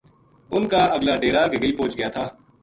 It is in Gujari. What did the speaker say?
ان کا اگلا ڈیرا گگئی پوہچ گیا تھا